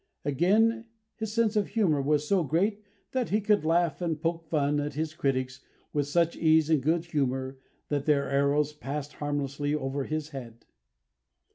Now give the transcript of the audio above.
Again, his sense of humour was so great that he could laugh and "poke fun" at his critics with such ease and good humour that their arrows passed harmlessly over his head.